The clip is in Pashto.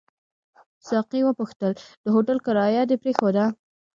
ساقي وپوښتل: د هوټل کرایه دې پرېښوده؟